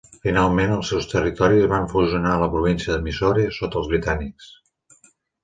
Finalment els seus territoris van fusionar a la província de Mysore sota els britànics.